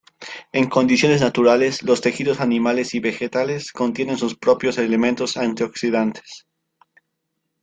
En condiciones naturales, los tejidos animales y vegetales contienen sus propios elementos antioxidantes.